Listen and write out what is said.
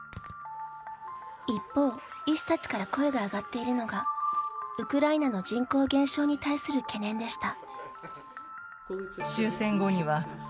一方、医師たちから声が上がっているのがウクライナの人口減少に対する懸念でした。